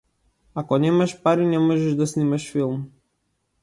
Ако немаш пари, не можеш да снимаш филм.